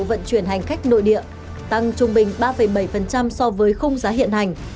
vận chuyển hành khách nội địa tăng trung bình ba bảy so với khung giá hiện hành